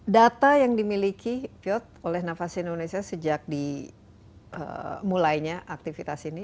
data yang dimiliki piot oleh navasi indonesia sejak di mulainya aktivitas ini